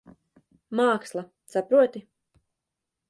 Māksla. Saproti?